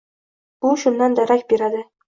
Bu shundan darak beradi.